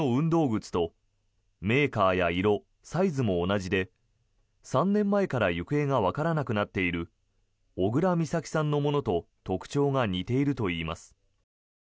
靴とメーカーや色、サイズも同じで３年前から行方がわからなくなっている小倉美咲さんのものと特徴が似ているといいます。